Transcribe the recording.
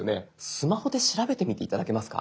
スマホで調べてみて頂けますか。